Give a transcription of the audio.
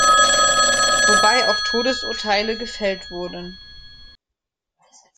Wobei auch Todesurteile gefällt wurden.